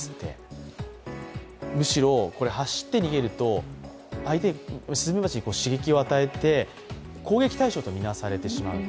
走って逃げると相手、すずめばちに刺激を与えて攻撃対象と見なされてしまう。